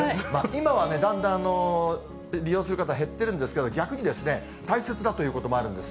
今はね、だんだん利用する方、減ってるんですけど、逆にですね、大切だということもあるんです。